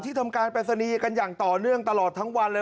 ทำการปริศนีย์กันอย่างต่อเนื่องตลอดทั้งวันเลย